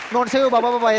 mohon sewa bapak bapak ya